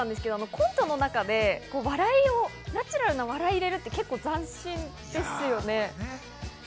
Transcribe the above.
コントの中で笑いをナチュラルに入れるって斬新ですよね。